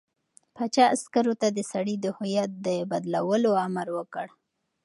پاچا عسکرو ته د سړي د هویت د بدلولو امر وکړ.